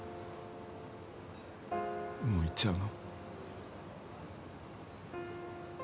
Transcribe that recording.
もう逝っちゃうの？